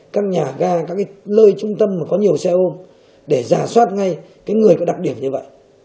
các nhà ga các lơi trung tâm có nhiều xe ôm để giả soát ngay người có đặc điểm như vậy